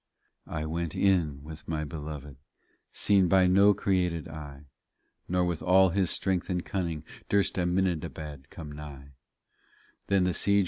40 I went in with my Belored, Seen by no created eye, Nor with all his strength and cunning Durst Aminadabad come nigh.